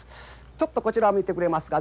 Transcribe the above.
ちょっとこちらを見てくれますか。